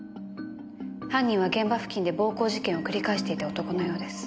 犯人は現場付近で暴行事件を繰り返していた男のようです。